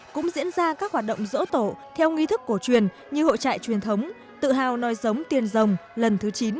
cũng diễn ra các hoạt động rỗ tổ theo nghi thức cổ truyền như hội trại truyền thống tự hào nói giống tiền rồng lần thứ chín